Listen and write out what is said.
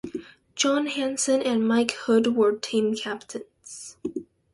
John Hanson and Mike Hood were team captains.